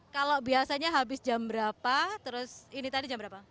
kalau biasanya habis jam berapa terus ini tadi jam berapa